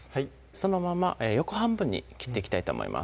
そのまま横半分に切っていきたいと思います